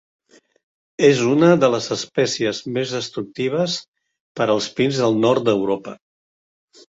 És una de les espècies més destructives per als pins del Nord d'Europa.